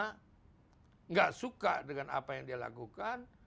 tidak suka dengan apa yang dia lakukan